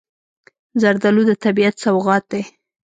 زردالو د طبیعت سوغات دی.